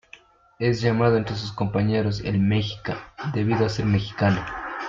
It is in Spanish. Es llamado entre sus compañeros el Mexica, debido a ser mexicano.